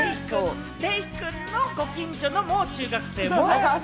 デイくんのご近所のもう中学生くん。